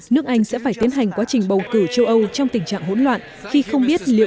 nước anh sẽ phải tiến hành quá trình bầu cử châu âu trong tình trạng hỗn loạn khi không biết liệu